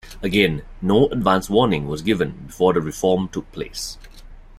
Again, no advance warning was given before the reform took place.